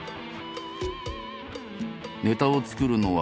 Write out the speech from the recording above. ネタを作るのはカズ。